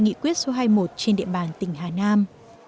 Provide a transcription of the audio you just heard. nghị quyết số hai mươi một trên địa bàn tỉnh hà nam